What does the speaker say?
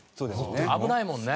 危ないもんね。